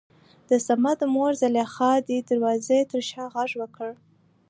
دصمد مور زليخا دې دروازې تر شا غږ وکړ.